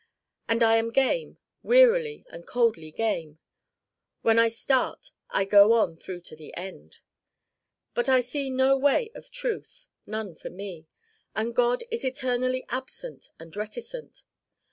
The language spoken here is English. And I am game, wearily and coldly game: when I start I go on through to the end. But I see no way of truth none for me. And God is eternally absent and reticent.